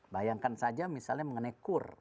bayangkan saja misalnya mengenai kur